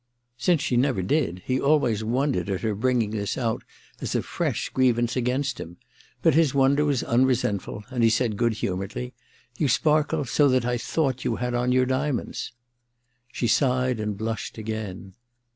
Since she never did, he always wondered at her bringing this out as a fresh grievance against him ; but his wonder was unresentfiil, and he i6i M 1 62 THE MISSION OF JANE i said good humouredly :* You sparkle so that I thought you had on your diamonds.' She sighed and blushed again.